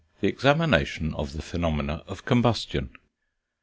THE EXAMINATION OF THE PHENOMENA OF COMBUSTION.